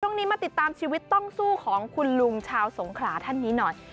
มาติดตามชีวิตต้องสู้ของคุณลุงชาวสงขลาท่านนี้หน่อย